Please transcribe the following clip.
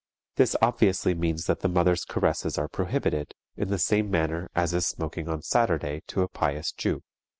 This obviously means that the mother's caresses are prohibited, in the same manner as is smoking on Saturday, to a pious Jew.